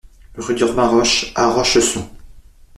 Rue d'Urbainroche à Rochesson